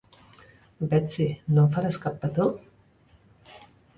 Betsy, no em faràs cap petó?